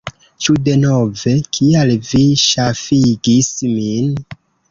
Ĉu denove? Kial vi ŝafigis min?